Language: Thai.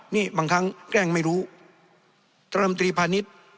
นี่บางครั้งแกล้งไม่รู้กรมตรีพาณิชย์